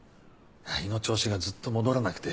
胃の調子がずっと戻らなくて。